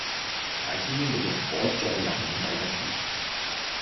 大師兄嘅慾火再也控制不住